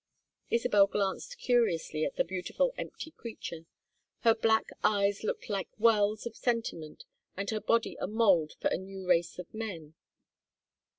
Isabel glanced curiously at the beautiful empty creature. Her black eyes looked like wells of sentiment, and her body a mould for a new race of men.